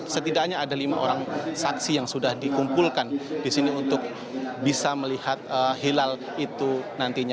setidaknya ada lima orang saksi yang sudah dikumpulkan di sini untuk bisa melihat hilal itu nantinya